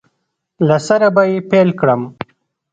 له سره به یې پیل کړم